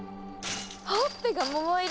ほっぺが桃色！